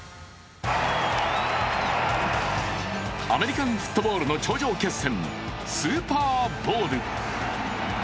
アメリカンフットボールの頂上決戦、スーパーボウル。